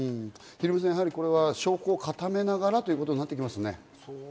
ヒロミさん、証拠を固めながらということになってきますね。